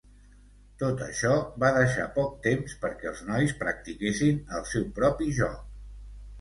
Tot això va deixar poc temps perquè els nois practiquessin el seu propi joc.